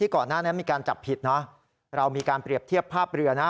ก่อนหน้านั้นมีการจับผิดเนอะเรามีการเปรียบเทียบภาพเรือนะ